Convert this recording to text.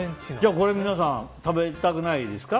これ皆さん食べたくないですか？